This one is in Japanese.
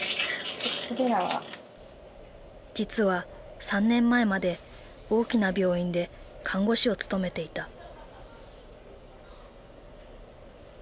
実は３年前まで大きな病院で看護師を務めていた。